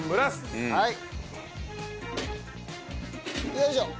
よいしょ！